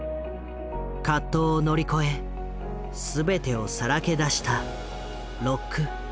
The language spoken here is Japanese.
葛藤を乗り越え全てをさらけ出したロック・ハドソン。